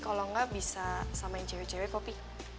kalau enggak bisa sama cewek cewek kopi